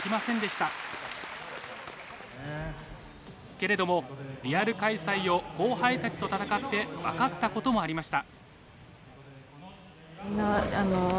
けれどもリアル開催を後輩たちと戦って分かったこともありました。